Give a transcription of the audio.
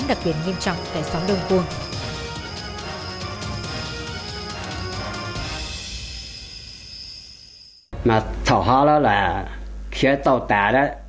đặc biệt nghiêm trọng tại xóm đông cuồng